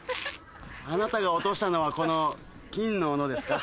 あなたが落としたのはこの金の斧ですか？